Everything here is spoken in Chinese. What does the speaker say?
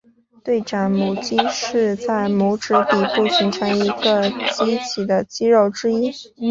对掌拇肌是在拇指底部形成一个鼓起的肌肉之一。